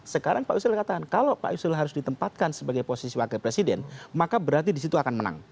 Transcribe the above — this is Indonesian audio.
sekarang pak yusril katakan kalau pak yusril harus ditempatkan sebagai posisi wakil presiden maka berarti disitu akan menang